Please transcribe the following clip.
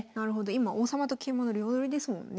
今王様と桂馬の両取りですもんね。